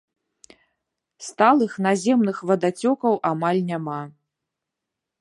Сталых наземных вадацёкаў амаль няма.